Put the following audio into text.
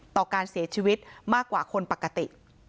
ต่อการเสียชีวิตมากกว่าคนปกติ